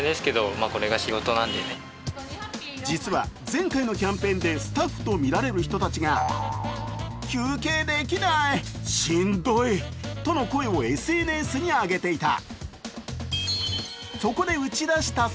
実は前回のキャンペーンでスタッフとみられる人たちが休憩できない、しんどいとの声をＳＮＳに上げていた。